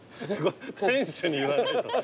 店主に言わないと。